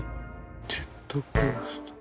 「ジェットコースター」。